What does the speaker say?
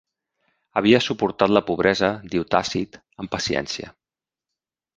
Havia suportat la pobresa, diu Tàcit, amb paciència.